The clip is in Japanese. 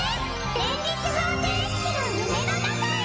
連立方程式の夢の中へ！